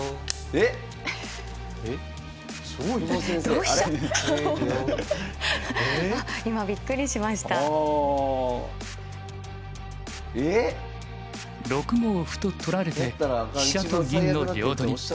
えっ⁉ええ⁉６五歩と取られて飛車と銀の両取り。